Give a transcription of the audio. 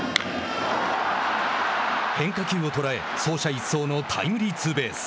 変化球を捉え、走者一掃のタイムリーツーベース。